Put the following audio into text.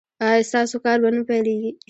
ایا ستاسو کار به نه پیلیږي؟